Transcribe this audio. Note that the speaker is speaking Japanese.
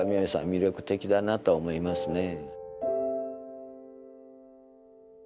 魅力的だなと思いますね。